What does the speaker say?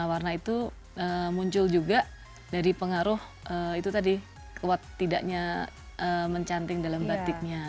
warna itu muncul juga dari pengaruh itu tadi kuat tidaknya mencanting dalam batiknya